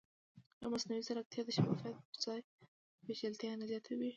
ایا مصنوعي ځیرکتیا د شفافیت پر ځای پېچلتیا نه زیاتوي؟